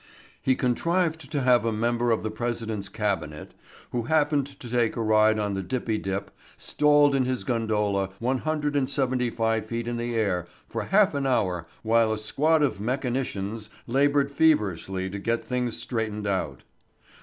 He contrived to have a member of the President's cabinet who happened to take a ride on the Dippy Dip stalled in his gondola one hundred and seventy five feet in the air for half an hour while a squad of mechanicians labored feverishly to get things straightened out.